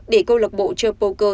để câu lọc bộ chơi poker